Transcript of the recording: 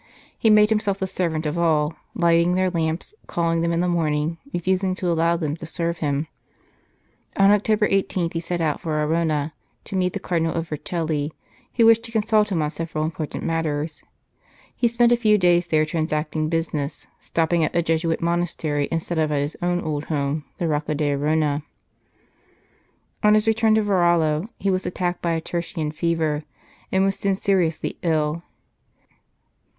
He made himself the servant of all, lighting their lamps, calling them in the morning, refusing to allow them to serve him. On October 18 he set out for Arona, to meet the Cardinal of Vercelli, who wished to consult him on several important matters. He spent a few days there transacting business, stopping at the Jesuit monastery instead of at his own old home, the Rocca d Arona. On his return to Varallo he was attacked by a tertian fever, and was soon seriously ill.